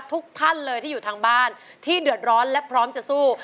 ทุกท่านเลยที่อยู่ทางบ้านที่เดือดร้อนและพร้อมจะสู้